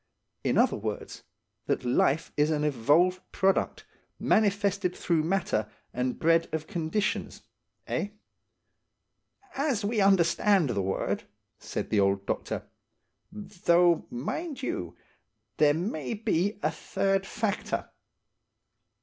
In other words, that life is an evolved product, manifested through matter and bred of conditions–eh?" "As we understand the word," said the old doctor. "Though, mind you, there may be a third factor.